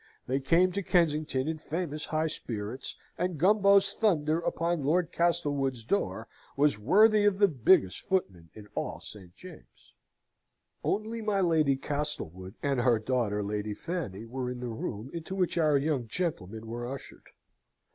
They came to Kensington in famous high spirits; and Gumbo's thunder upon Lord Castlewood's door was worthy of the biggest footman in all St. James's. Only my Lady Castlewood and her daughter Lady Fanny were in the room into which our young gentlemen were ushered.